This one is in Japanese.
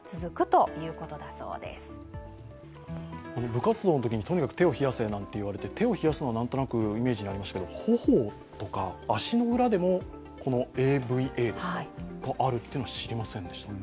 部活動のときに、とにかく手を冷やせなんて言われて手を冷やすのは何となくイメージにありましたけれども、頬とか足の裏でもＡＶＡがあるというのは知りませんでした。